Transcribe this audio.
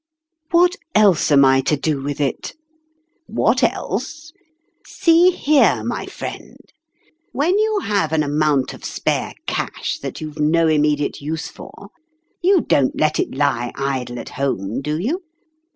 " What else am I to do with it ?"" What else ? See here, my friend ; when you have an amount of spare cash that you've 110 immediate use for, you don't let it lie idle at home, do you